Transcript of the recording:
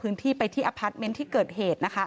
พื้นที่ไปที่อพาร์ทเมนต์ที่เกิดเหตุนะคะ